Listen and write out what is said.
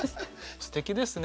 すてきですね。